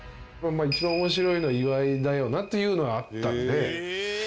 一番面白いのは岩井だよなというのはあったので。